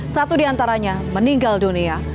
satu di antaranya meninggal dunia